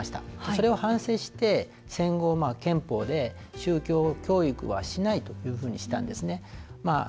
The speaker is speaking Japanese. それを反省して、戦後憲法で宗教教育はしないということにしたんですね。